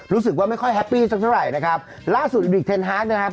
รู้สึกว่าไม่ค่อยแฮปปี้สักเฉินไหร่นะครับล่าสุดนะครับ